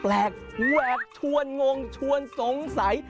ไปดูเรื่องแปลกแหวกชวนงงชวนสงสัย